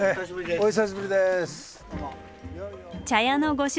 お久しぶりです。